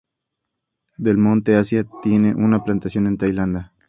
Del Monte Asia tiene una plantación en Tailandia.